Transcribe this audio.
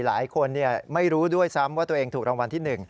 หลายคนไม่รู้ด้วยซ้ำว่าตัวเองถูกรางวัลที่๑